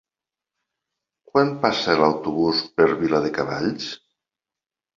Quan passa l'autobús per Viladecavalls?